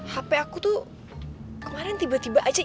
hp aku tuh kemarin tiba tiba aja